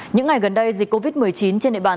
những ngày gần đây dịch covid một mươi chín trên địa bàn